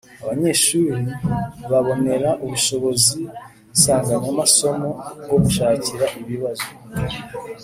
abanyeshuri babonera ubushobozi nsanganyamasomo bwo gushakira ibibazo